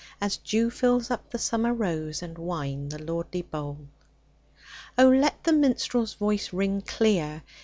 As dew fills up the summer rose And wine the lordly bowl ! let the minstrePs voice ring clear.